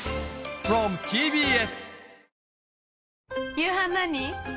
夕飯何？